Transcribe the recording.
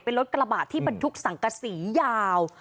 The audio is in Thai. เป็นรถกระบะที่บรรทุกสังกษียาว